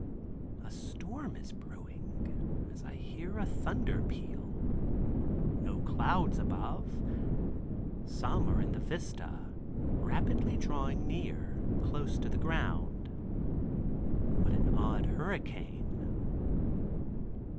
A storm is brewing, as I hear a thunder peal; no clouds above—some are in the vista, rapidly drawing near, close to the ground. What an odd hurricane!